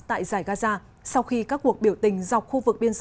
tại giải gaza sau khi các cuộc biểu tình dọc khu vực biên giới